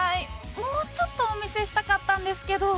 もうちょっとお見せしたかったんですけど。